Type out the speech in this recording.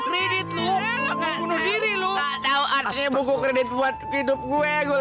nanti gua guna diri masih hidup nih orang ini